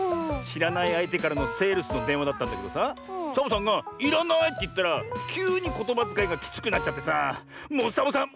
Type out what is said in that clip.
しらないあいてからのセールスのでんわだったんだけどさサボさんが「いらない」っていったらきゅうにことばづかいがきつくなっちゃってさもうサボさん